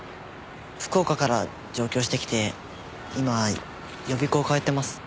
福岡から上京してきて今予備校通ってます。